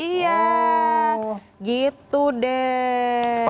iya gitu deh